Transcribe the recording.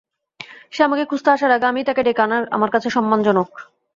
সে আমাকে খুঁজতে আসার আগে, আমিই তাকে ডেকে আনা আমার কাছে সম্মানজনল।